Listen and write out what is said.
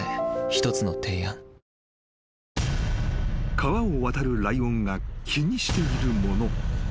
［川を渡るライオンが気にしているもの。